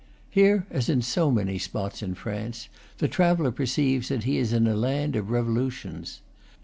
Here, as in so many spots in France, the traveller perceives that he is in a land of revolutoins.